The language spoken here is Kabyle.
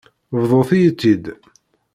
Bḍut-iyi-tt-id.